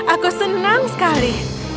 aku senang sekali